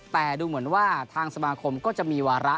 แต่ดูเหมือนว่าทางสมาคมก็จะมีวาระ